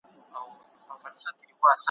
مغزونه کوچ سي قلم یې وچ سي `